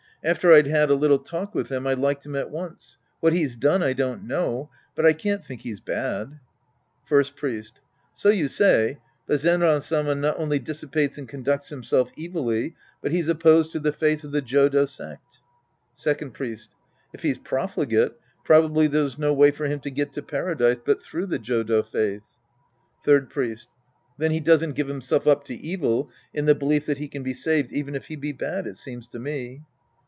After I'd had a little talk with him, I liked him at once. What he's done, I don't know, but I can't think he's bad. First Priest. So you say, but Zenran Sama not only dissipates and conducts himself evilly, but he's opposed to the faith of the J5do sect. Second Priest. If he's profligate, probably there's no way for him to get to Paradise but through the Jodo faith. Third Priest. Then he doesn't give himself up to evil in the belief that he can be saved even if he be bad, it seems to me.